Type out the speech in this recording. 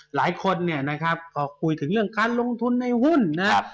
หลายคนเนี่ยนะครับพอคุยถึงเรื่องการลงทุนในหุ้นนะครับ